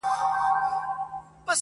درس د میني راکه بیا همدم راکه,